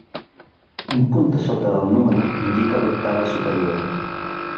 Un punt a sota del número indica l'octava superior.